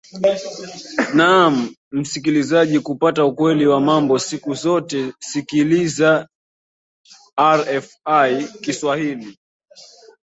naam msikilizaji kupata ukweli wa mambo siku zote sikiliza rfi kiswahili